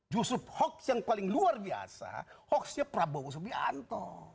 justru hoax yang paling luar biasa hoaxnya prabowo subianto